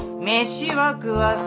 飯は食わす。